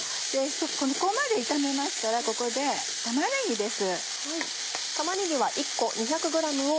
そこまで炒めましたらここで玉ねぎです。